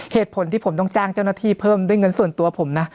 เหตุผลที่ผมต้องจ้างเจ้าหน้าที่เพิ่มด้วยเงินส่วนตัวผมนะ